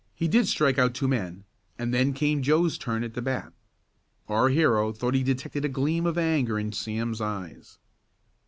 He did strike out two men, and then came Joe's turn at the bat. Our hero thought he detected a gleam of anger in Sam's eyes.